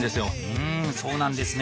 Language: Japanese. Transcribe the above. うんそうなんですね。